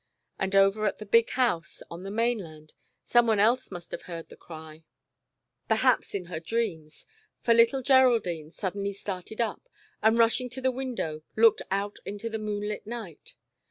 And over at the big house, on the mainland, someone else must have heard the cry, 2i8 The Disobedient Island. perhaps in her dreams, for little Geraldine sud denly started up, and rushing to the window, looked out into the moonlit night.